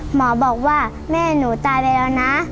หมอบอกว่าแม่หนูตายไปแล้วนะ